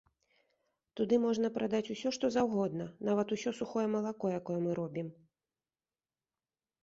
Туды можна прадаць усё што заўгодна, нават усё сухое малако, якое мы робім.